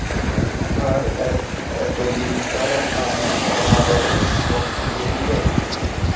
তার এতদিনকার অনাদরের শোধ দিয়ে দিলেন?